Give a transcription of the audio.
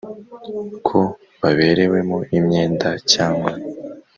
Ko baberewemo imyenda cyangwa